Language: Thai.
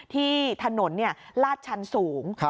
ที่ถนนลาดชันสูง